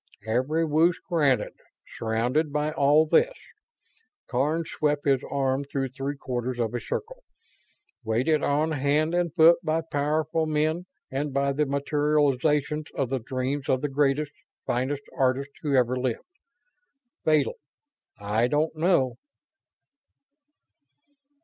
"Every wish granted. Surrounded by all this." Karns swept his arm through three quarters of a circle. "Waited on hand and foot by powerful men and by the materializations of the dreams of the greatest, finest artists who ever lived. Fatal? I don't know...."